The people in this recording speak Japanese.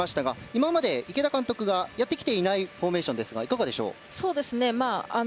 今まで池田監督がやってきていないフォーメーションですがいかがでしょう。